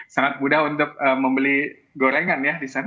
sangat mudah untuk membeli gorengan ya di sana